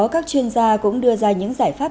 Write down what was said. các chuyên gia cũng đưa ra những giải pháp